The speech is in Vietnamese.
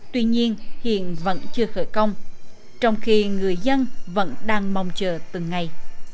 tuy nhiên hiện vẫn chưa khởi công trong khi người dân vẫn đang mong chờ từng ngày